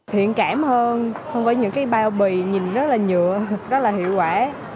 thiện cảm hơn không có những cái bao bì nhìn rất là nhựa rất là hiệu quả